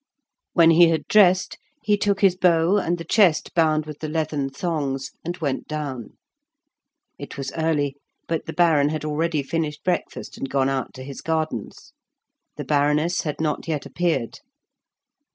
When he had dressed, he took his bow and the chest bound with the leathern thongs, and went down. It was early, but the Baron had already finished breakfast and gone out to his gardens; the Baroness had not yet appeared.